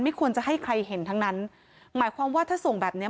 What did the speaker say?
ควรจะให้ใครเห็นทั้งนั้นหมายความว่าถ้าส่งแบบเนี้ย